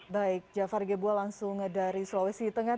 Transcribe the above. baik jafar gebua langsung dari sulawesi tengah